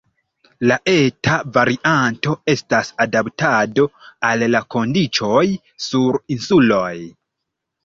La eta varianto estas adaptado al la kondiĉoj sur insuloj.